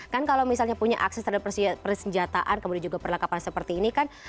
kan kalau misalnya punya akses terhadap persenjataan kemudian juga perlengkapan seperti ini kan